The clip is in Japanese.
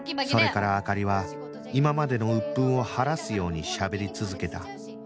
それから灯は今までの鬱憤を晴らすようにしゃべり続けた